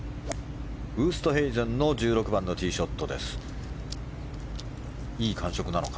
ウーストヘイゼンの１６番のティーショットです。